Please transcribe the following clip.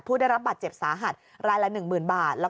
ผู้ได้รับบาดเจ็บสาหัสรายละ๑๐๐๐บาท